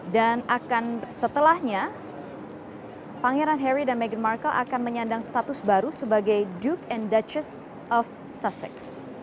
dan setelahnya pangeran harry dan meghan markle akan menyandang status baru sebagai duke and duchess of sussex